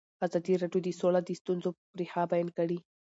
ازادي راډیو د سوله د ستونزو رېښه بیان کړې.